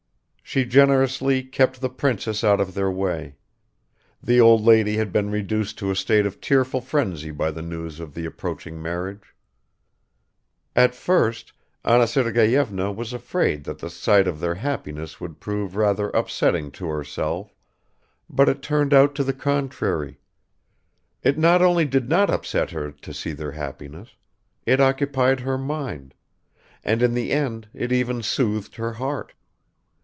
She generously kept the princess out of their way; the old lady had been reduced to a state of tearful frenzy by the news of the approaching marriage. At first Anna Sergeyevna was afraid that the sight of their happiness would prove rather upsetting to herself, but it turned out to the contrary; it not only did not upset her to see their happiness, it occupied her mind, and in the end it even soothed her heart.